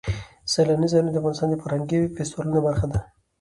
سیلانی ځایونه د افغانستان د فرهنګي فستیوالونو برخه ده.